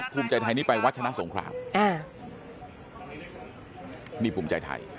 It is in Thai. ผุมใจไทยนี่ไปวัฒนะสงครามนี่ผุมใจไทย